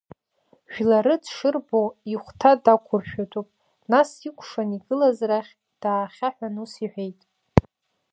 Жәлары дшырбо ихәҭа дақәыршәатәуп, нас икәшан игылаз рахь даахьаҳәын ус иҳәеит…